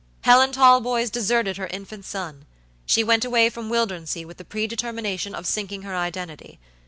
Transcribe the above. Helen Talboys deserted her infant sonshe went away from Wildernsea with the predetermination of sinking her identity.